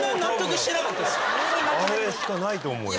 あれしかないと思うよ。